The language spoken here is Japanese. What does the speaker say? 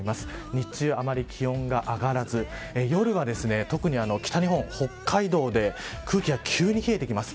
日中、あまり気温が上がらず夜は特に北日本北海道で空気が急に冷えてきます。